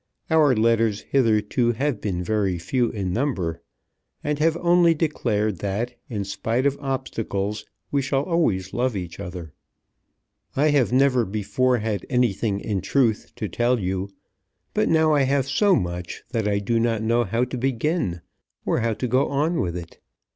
Our letters hitherto have been very few in number, and have only declared that in spite of obstacles we shall always love each other. I have never before had anything in truth to tell you; but now I have so much that I do not know how to begin or how to go on with it.